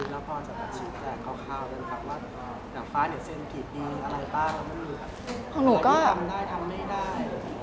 แล้วพอจะแบบสิ่งแหล่งคร่าวนึงค่ะว่าหนังฟ้าเนี่ยเซ็นกี่ปีอะไรบ้างอะไรบ้าง